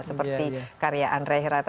seperti karya andrea hirata